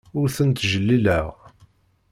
Ur tent-ttjellileɣ.